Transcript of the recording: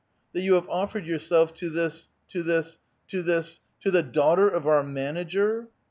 *' "That vou have offered yourself to this — to this — to this — to the daughter of our manager